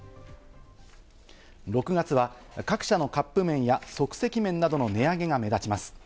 ６月は各社のカップ麺や即席麺などの値上げが目立ちます。